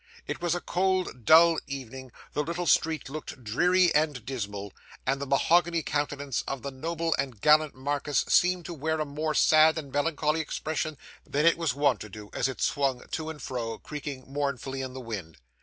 It was a cold, dull evening; the little street looked dreary and dismal; and the mahogany countenance of the noble and gallant marquis seemed to wear a more sad and melancholy expression than it was wont to do, as it swung to and fro, creaking mournfully in the wind.